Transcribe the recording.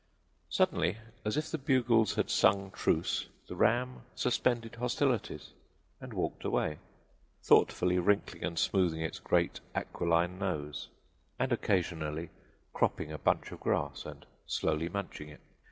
"Suddenly, as if the bugles had sung truce, the ram suspended hostilities and walked away, thoughtfully wrinkling and smoothing its great aquiline nose, and occasionally cropping a bunch of grass and slowly munching it.